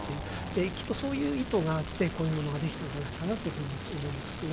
きっとそういう意図があってこういうものができたんじゃないかなというふうに思いますね。